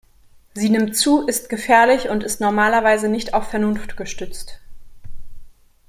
Sie nimmt zu, ist gefährlich, und ist normalerweise nicht auf Vernunft gestützt.